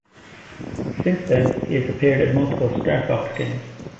Since then, he has appeared in multiple "Star Fox" games.